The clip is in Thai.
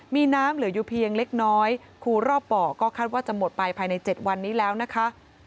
มีน้ำเหลืออยู่เพียงเล็กน้อยคูรอบบ่อก็คาดว่าจะหมดไปภายใน๗วันนี้แล้วนะคะ